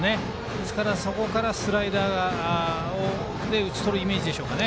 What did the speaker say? ですから、そこからスライダーで打ち取るイメージでしょうか。